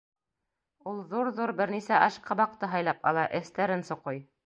Ул ҙур-ҙур бер нисә ашҡабаҡты һайлап ала, эстәрен соҡой.